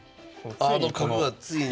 あの角がついに！